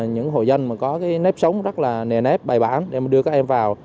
những hội dân có nếp sống rất là nề nếp bài bản để đưa các em vào